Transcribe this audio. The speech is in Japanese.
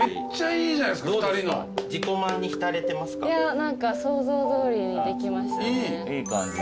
何か想像どおりにできましたね。